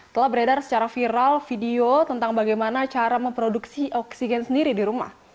telah beredar secara viral video tentang bagaimana cara memproduksi oksigen sendiri di rumah